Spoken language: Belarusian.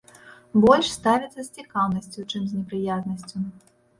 Больш ставяцца с цікаўнасцю, чым з непрыязнасцю.